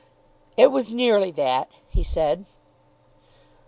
"It was nearly that," he said.